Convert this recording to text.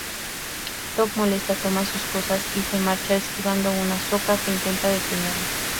Toph, molesta toma sus cosas y se marcha esquivando a Sokka que intenta detenerla.